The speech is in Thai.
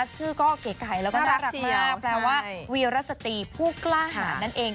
ชื่อก็เก๋ไก่แล้วก็น่ารักมากแปลว่าวีรสตรีผู้กล้าหารนั่นเอง